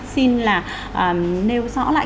xin là nêu rõ lại